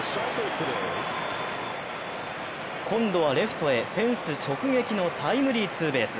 今度はレフトへフェンス直撃のタイムリーツーベース。